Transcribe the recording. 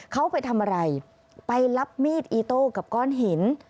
เขาไปทำอะไรไปรับมีดอีโต้กับก้อนหิน